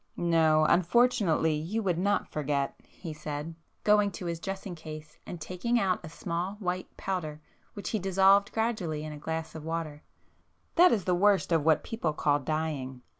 "No,—unfortunately you would not forget!" he said, going to his dressing case and taking out a small white powder which he dissolved gradually in a glass of water—"That is the worst of what people call dying.